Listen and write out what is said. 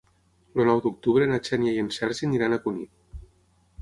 El nou d'octubre na Xènia i en Sergi aniran a Cunit.